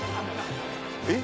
えっ？